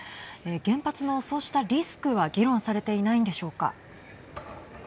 原発のそうしたリスクは議論されていないんでしょうか。